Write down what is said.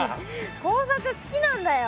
工作好きなんだよ。